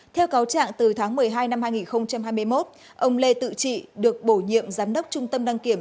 theo cáo trạng từ tháng một mươi hai năm hai nghìn hai mươi một ông lê tự trị được bổ nhiệm giám đốc trung tâm đăng kiểm